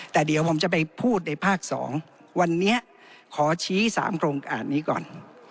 แต่เดี๋ยวผมจะไปพูดในภาค๒วันนี้ขอชี้๓โครงการนี้ก่อน